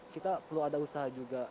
kita perlu ada usaha juga